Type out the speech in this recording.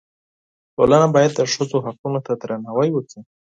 ټولنه باید د ښځو حقونو ته درناوی وکړي.